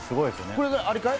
これあれかい？